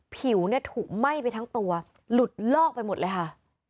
ผิวเนี่ยถูกไหม้ไปทั้งตัวหลุดลอกไปหมดเลยค่ะ